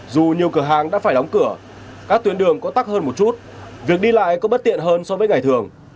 dù nhiều cửa hàng đã phải đóng cửa các tuyến đường có tắt hơn một chút việc đi lại có bất tiện hơn so với ngày thường